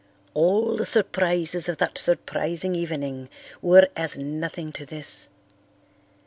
All the surprises of that surprising evening were as nothing to this.